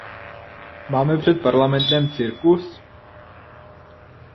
Máme před Parlamentem cirkus?